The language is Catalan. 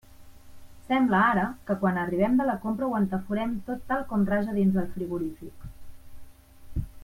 Sembla ara, que quan arribem de la compra ho entaforem tot tal com raja dins el frigorífic.